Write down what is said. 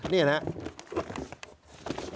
นี่นะครับ